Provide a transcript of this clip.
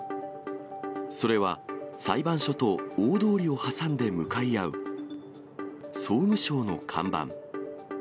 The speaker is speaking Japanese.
それは裁判所と大通りを挟んで向かい合う総務省の看板。